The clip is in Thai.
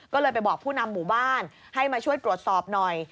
ก็เลยไปบอกผู้นำหมู่บ้านให้มาช่วยตรวจสอบหน่อย